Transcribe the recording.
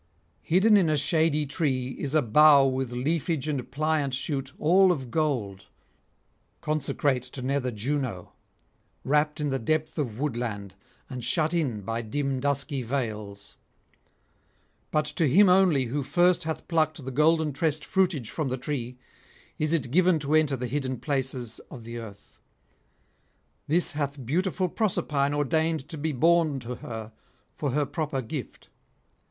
Hidden in a shady tree is a bough with leafage and pliant shoot all of gold, consecrate to nether Juno, wrapped in the depth of woodland and shut in by dim dusky vales. But to him only who first hath plucked the golden tressed fruitage from the tree is it given to enter the hidden places of the earth. This hath beautiful Proserpine ordained to be borne to her for her proper gift.